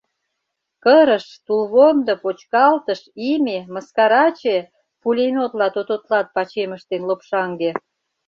— «Кырыш», «Тулвондо», «Почкалтыш», «Име», «Мыскараче»! — пулеметла тототлат Пачемыш ден Лопшаҥге.